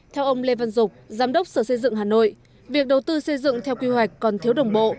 theo ông lê văn dục giám đốc sở xây dựng hà nội việc đầu tư xây dựng theo quy hoạch còn thiếu đồng bộ